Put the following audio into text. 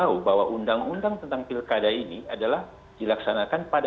orang orang masuk ke tevekatan keber wipe wealth